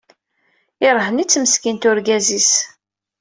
Irhen-itt meskint urgaz-is.